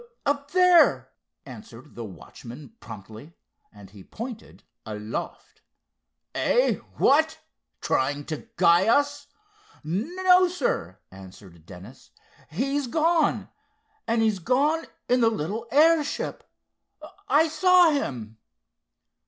"Up there," answered the watchman promptly, and he pointed aloft. "Eh, what? Trying to guy us!" "No, sir," answered Dennis. "He's gone, and he's gone in the little airship. I saw him!"